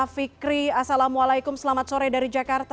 fikri assalamualaikum selamat sore dari jakarta